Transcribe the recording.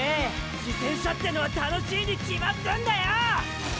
自転車ってのは楽しいに決まってんだよ！